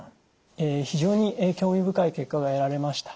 非常に興味深い結果が得られました。